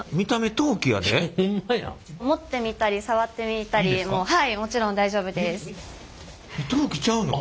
陶器ちゃうの？